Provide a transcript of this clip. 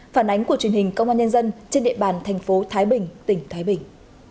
phản ánh của truyền hình công an nhân dân trên địa bàn tp thái bình tỉnh thái bình